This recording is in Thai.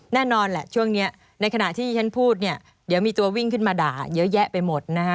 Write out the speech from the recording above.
แน่นอนแหละช่วงนี้ในขณะที่ฉันพูดเนี่ยเดี๋ยวมีตัววิ่งขึ้นมาด่าเยอะแยะไปหมดนะฮะ